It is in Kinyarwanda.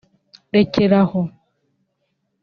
“rekeraho